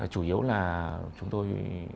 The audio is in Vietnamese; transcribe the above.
chủ yếu là chúng tôi